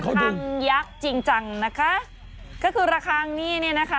ยังไม่ได้ทรงเพราะว่าเขานั่งอยู่ที่แคล้